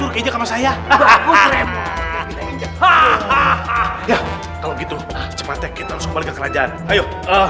kalau gitu cepetan kita kembali ke kerajaan ayo